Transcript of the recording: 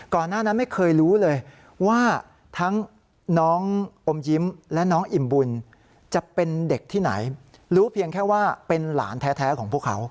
หน้านั้นไม่เคยรู้เลยว่าทั้งน้องอมยิ้มและน้องอิ่มบุญจะเป็นเด็กที่ไหนรู้เพียงแค่ว่าเป็นหลานแท้ของพวกเขา